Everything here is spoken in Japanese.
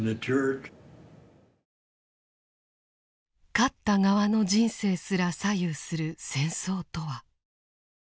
勝った側の人生すら左右する戦争とは。